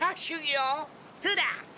そうだ。